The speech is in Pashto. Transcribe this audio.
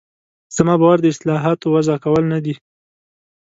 زما باور د اصطلاحاتو وضع کول نه دي.